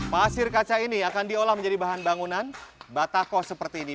pasir kaca ini akan diolah menjadi bahan bangunan batako seperti ini